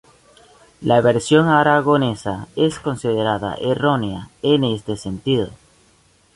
La versión aragonesa es considerada errónea en este sentido.